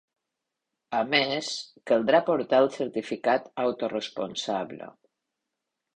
A més, caldrà portar el certificat autoresponsable.